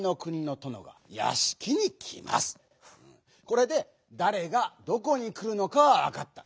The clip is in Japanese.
これで「だれ」が「どこに」くるのかはわかった。